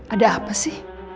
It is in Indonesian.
ada apa sih